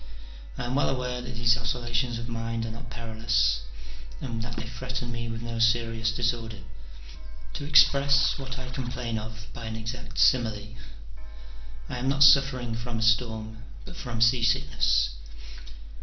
I am well aware that these oscillations of mind are not perilous and that they threaten me with no serious disorder : to express what I complain of by an exact simile, I am not suffering from a storm, but from sea sickness.